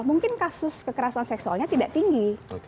mungkin kasus kekerasan seksualnya tidak tinggi